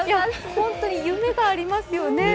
ホントに夢がありますよね。